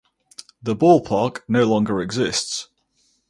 The ballpark no longer exists.